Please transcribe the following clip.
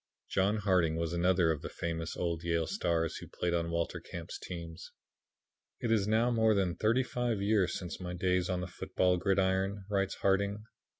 John Harding was another of the famous old Yale stars who played on Walter Camp's team. "It is now more than thirty five years since my days on the football gridiron," writes Harding.